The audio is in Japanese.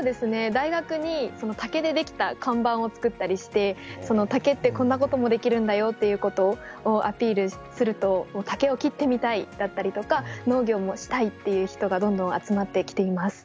大学に竹で出来た看板を作ったりして竹ってこんなこともできるんだよっていうことをアピールすると竹を切ってみたいだったりとか農業もしたいっていう人がどんどん集まってきています。